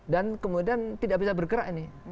dan kemudian tidak bisa bergerak ini